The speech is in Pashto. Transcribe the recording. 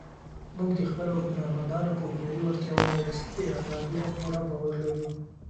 موږ د خپلو هنرمندانو په هنري وړتیاوو او استعدادونو پوره باور لرو.